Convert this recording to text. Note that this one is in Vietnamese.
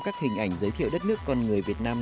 các hình ảnh giới thiệu đất nước con người việt nam